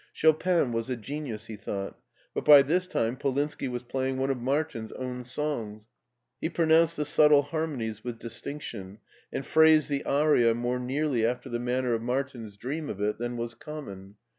" Chopin was a genius," he thought ; but by this time Polinski was playing one of Martin's own songs. He pronounced the subtle harmonies with distinction, and phrased the aria more nearly after the manner of Martin's dream of it than was common.